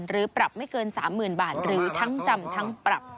หรือปรับไม่เกิน๓๐๐๐บาทหรือทั้งจำทั้งปรับ